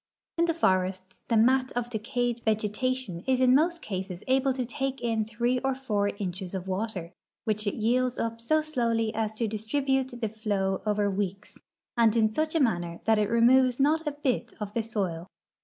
In the forests the mat of decayed vegetation is in most cases able to take in three or four inches of water, which it yields up so slowly as to distribute the flow over weeks and in such a manner that it removes not a hit of the soil.